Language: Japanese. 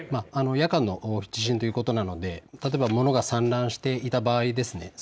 夜間の地震ということなので例えば物が散乱していた場合ですね